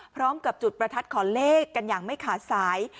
พร้อมกับจุดประทัดขอเลขกันอย่างไม่ขาดสาย